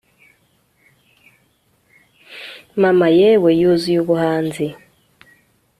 Mama yewe Yuzuye ubuhanzi